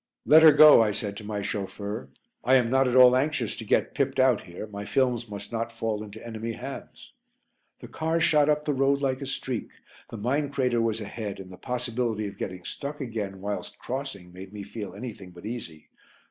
"Let her go," I said to my chauffeur. "I am not at all anxious to get pipped out here. My films must not fall into enemy hands." The car shot up the road like a streak; the mine crater was ahead and the possibility of getting stuck again whilst crossing made me feel anything but easy.